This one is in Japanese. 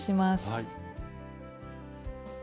はい。